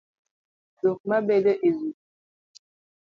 Dhok ma bedo e wiI